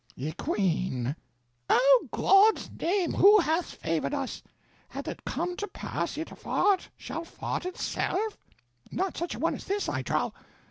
Ye Queene. O' God's name, who hath favored us? Hath it come to pass yt a fart shall fart itself? Not such a one as this, I trow.